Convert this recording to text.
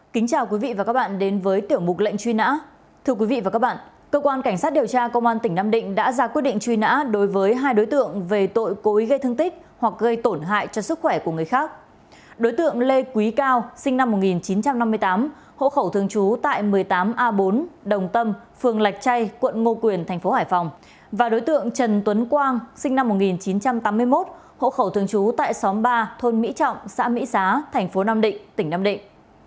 đặc tray quận ngô quyền tp hải phòng và đối tượng trần tuấn quang sinh năm một nghìn chín trăm tám mươi một hỗ khẩu thường trú tại xóm ba thôn mỹ trọng xã mỹ giá tp nam định tỉnh nam định